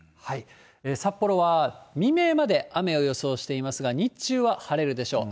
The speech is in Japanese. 札幌は未明まで雨を予想していますが、日中は晴れるでしょう。